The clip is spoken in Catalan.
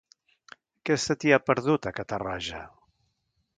Què se t'hi ha perdut, a Catarroja?